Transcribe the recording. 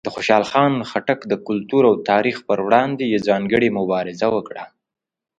د خوشحال خان خټک د کلتور او تاریخ پر وړاندې یې ځانګړې مبارزه وکړه.